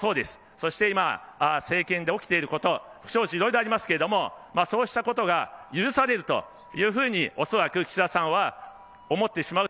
そして今、政権で起きていること、不祥事いろいろありますけれども、そうしたことが許されるというふうに恐らく岸田さんは思ってしまう。